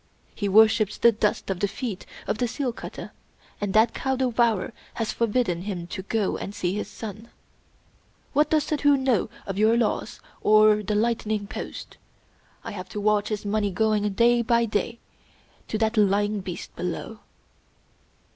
He worships the dust off the feet of the seal cutter, and that cow devourer has forbidden him to go and see his son. What does Suddhoo know of your laws or the lightning post? I have to watch his money going day by day to that lying beast below."